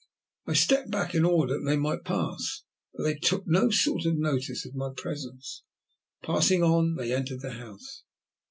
I stepped back in order that they might pass, but they took no sort of notice of my presence. Passing on, they entered the house.